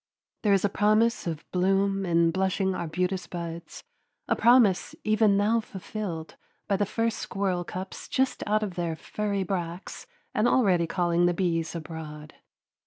There is a promise of bloom in blushing arbutus buds, a promise even now fulfilled by the first squirrelcups just out of their furry bracts and already calling the bees abroad.